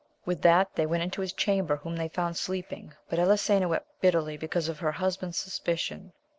With that they went into his chamber, whom they found sleeping; but Elisena wept bitterly because of her husband's sus picion.